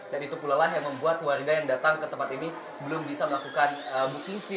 dan itulah yang membuat warga yang datang ke tempat ini belum bisa melakukan booking fee